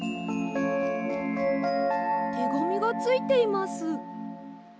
てがみがついています。